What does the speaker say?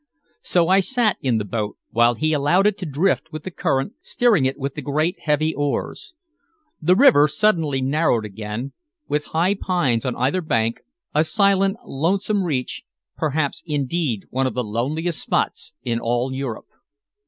So I sat in the boat, while he allowed it to drift with the current, steering it with the great heavy oars. The river suddenly narrowed again, with high pines on either bank, a silent, lonesome reach, perhaps indeed one of the loneliest spots in all Europe.